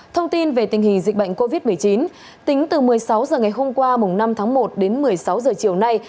thông tin về tình hình dịch bệnh covid một mươi chín tính từ một mươi sáu h ngày hôm qua năm tháng một đến một mươi sáu h chiều nay